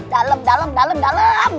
dalem dalem dalem dalem